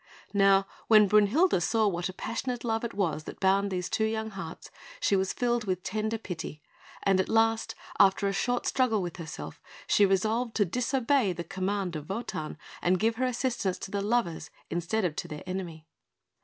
Now when Brünhilde saw what a passionate love it was that bound these two young hearts, she was filled with tender pity; and at last, after a short struggle with herself, she resolved to disobey the command of Wotan, and give her assistance to the lovers, instead of to their enemy.